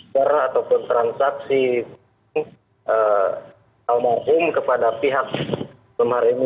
per ataupun transaksi almarhum kepada pihak lemari ini